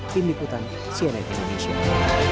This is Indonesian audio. tim liputan siena indonesia